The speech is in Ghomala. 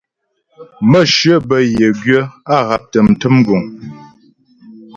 Mə̌shyə bə́ yə gwyə̌, á haptə mtə̀m guŋ.